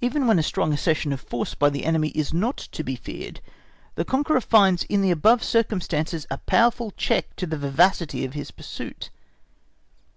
Even when a strong accession of force by the enemy is not to be feared, the conqueror finds in the above circumstances a powerful check to the vivacity of his pursuit.